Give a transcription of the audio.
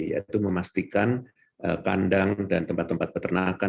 yaitu memastikan kandang dan tempat tempat peternakan